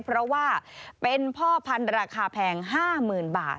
เพราะว่าเป็นพ่อพันธุ์ราคาแพง๕๐๐๐บาท